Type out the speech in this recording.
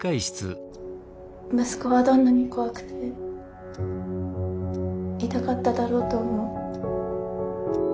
息子はどんなに怖くて痛かっただろうと思う。